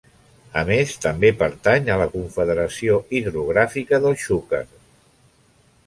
A més, també pertany a la Confederació Hidrogràfica del Xúquer.